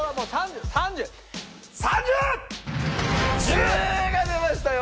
１０が出ましたよ。